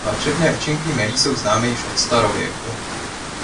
Léčebné účinky jmelí jsou známy již od starověku.